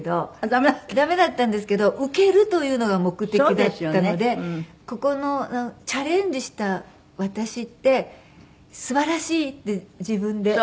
駄目だったんですけど受けるというのが目的だったのでここのチャレンジした私ってすばらしいって自分で。